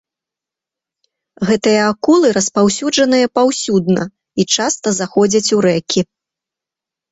Гэтыя акулы распаўсюджаныя паўсюдна і часта заходзяць у рэкі.